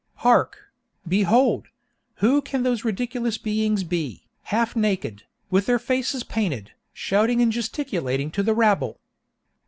"Hark—behold!—who can those ridiculous beings be, half naked, with their faces painted, shouting and gesticulating to the rabble?"